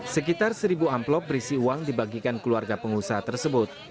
sekitar seribu amplop berisi uang dibagikan keluarga pengusaha tersebut